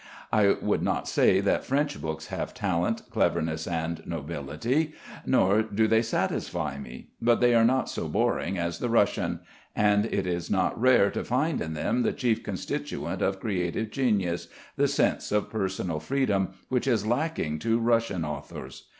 I would not say that French books have talent, cleverness, and nobility. Nor do they satisfy me. But they are not so boring as the Russian; and it is not rare to find in them the chief constituent of creative genius the sense of personal freedom, which is lacking to Russian authors.